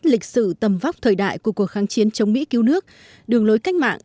lịch sử tầm vóc thời đại của cuộc kháng chiến chống mỹ cứu nước đường lối cách mạng